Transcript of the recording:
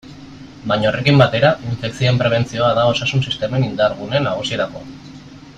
Baina horrekin batera, infekzioen prebentzioa da osasun-sistemen indar-gune nagusietakoa.